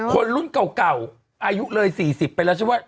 คนรุ่นเก่าอายุเลย๔๐ไปแล้วใช่ไหม